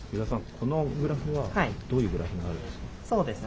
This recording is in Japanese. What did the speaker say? このグラフはどういうグラフになるんでしょうか。